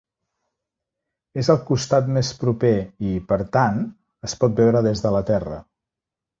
És al costat més proper i, per tant, es pot veure des de la Terra.